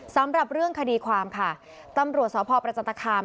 สำหรับเรื่องคดีความค่ะตำรวจสพประจันตคาม